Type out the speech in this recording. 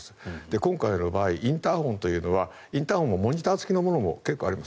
今回の場合インターホンというのはインターホンもモニター付きのものも結構あります。